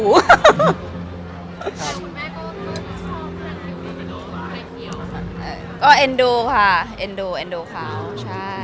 คุณแม่ก็ชอบอะไรแบบก็เอ็นดูค่ะเอ็นดูเค้าใช่